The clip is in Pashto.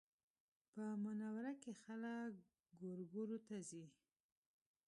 په منوره کې خلک ګورګورو ته ځي